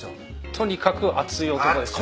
とにかく熱い男でした。